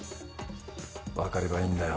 わかればいいんだよ